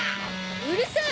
うるさい！